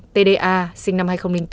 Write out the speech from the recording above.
tda sinh năm hai nghìn bốn